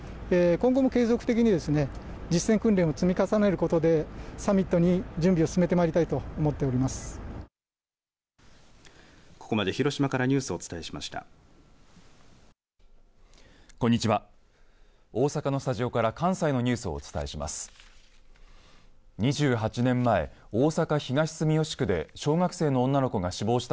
ここまで広島からニュースをお伝えしました。